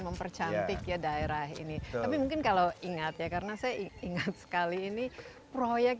mempercantik ya daerah ini tapi mungkin kalau ingat ya karena saya ingat sekali ini proyek